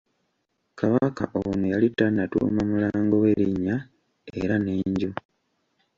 Kabaka ono yali tannatuuma Mulango we linnya, era n'enju.